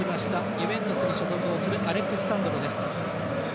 ユベントスに所属をするアレックス・サンドロです。